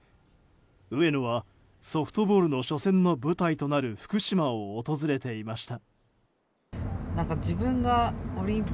上野はソフトボールの初戦の舞台となる福島を訪れていました。